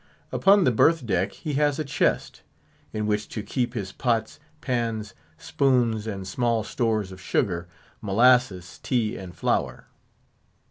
Upon the berth deck he has a chest, in which to keep his pots, pans, spoons, and small stores of sugar, molasses, tea, and flour.